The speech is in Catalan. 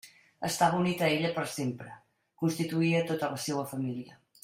Estava unit a ella per sempre: constituïa tota la seua família.